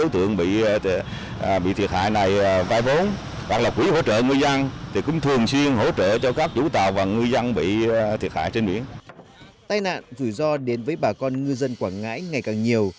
tai nạn rủi ro đến với bà con ngư dân quảng ngãi ngày càng nhiều